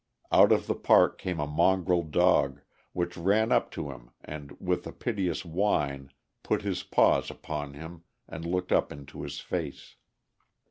Out of the park came a mongrel dog, which ran up to him and with a piteous whine put his paws upon him and looked up into his face.